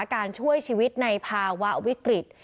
การช่วยชีวิตในภาวะวิกฤต